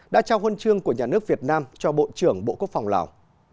đã trao huân chương của nhà nước việt nam cho bộ trưởng bộ quốc phòng lào